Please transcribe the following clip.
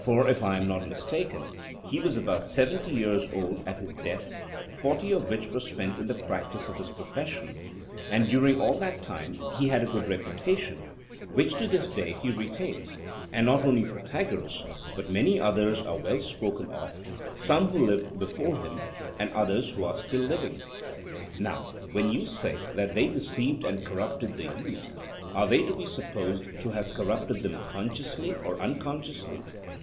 For, if I am not mistaken, he was about seventy years old at his death, forty of which were spent in the practice of his profession; and during all that time he had a good reputation, which to this day he retains: and not only Protagoras, but many others are well spoken of; some who lived before him, and others who are still living. Now, when you say that they deceived and corrupted the youth, are they to be supposed to have corrupted them consciously or unconsciously?